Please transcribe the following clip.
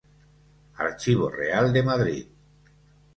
Archivo Real de Madrid.